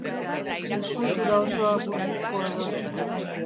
Eskultura osoa burnizkoa da.